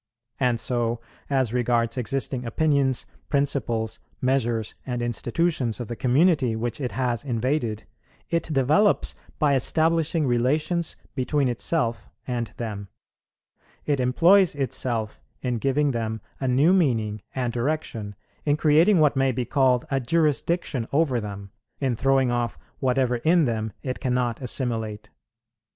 And so, as regards existing opinions, principles, measures, and institutions of the community which it has invaded; it developes by establishing relations between itself and them; it employs itself, in giving them a new meaning and direction, in creating what may be called a jurisdiction over them, in throwing off whatever in them it cannot assimilate.